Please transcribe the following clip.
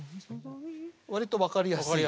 わりと分かりやすい。